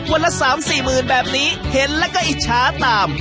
ละ๓๔หมื่นแบบนี้เห็นแล้วก็อิจฉาตาม